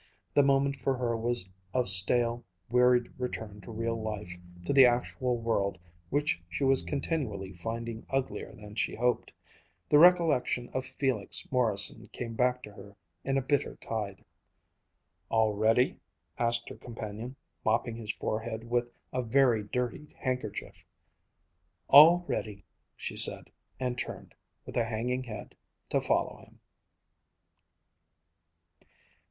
The moment for her was of stale, wearied return to real life, to the actual world which she was continually finding uglier than she hoped. The recollection of Felix Morrison came back to her in a bitter tide. "All ready?" asked her companion, mopping his forehead with a very dirty handkerchief. "All ready," she said and turned, with a hanging head, to follow him.